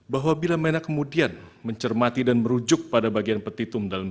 bahwa bila mena kemudian mencermati dan merujuk pada bagian petitum dalam